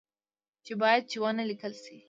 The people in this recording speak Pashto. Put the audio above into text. چې باید چي و نه لیکل شي